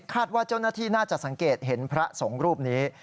ว่าเจ้าหน้าที่น่าจะสังเกตเห็นพระสงฆ์รูปนี้